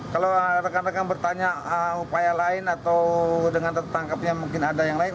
kalau rekan rekan bertanya upaya lain atau dengan tertangkapnya mungkin ada yang lain